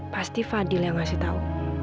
pasti fadil yang ngasih tahu